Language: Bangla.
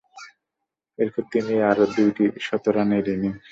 এরপর তিনি আরও দুইটি শতরানের ইনিংস খেলেন।